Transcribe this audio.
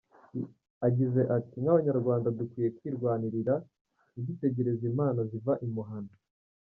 agize ati “Nk’Abanyarwanda dukwiye kwirwanirira ntidutegereze impano ziva i Muhana.